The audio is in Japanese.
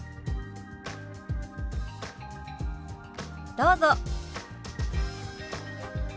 どうぞ。